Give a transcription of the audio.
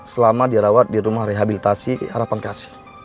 selama dirawat di rumah rehabilitasi harapan kasih